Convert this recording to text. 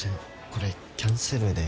これキャンセルで。